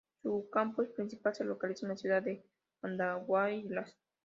Su campus principal se localiza en la ciudad de Andahuaylas.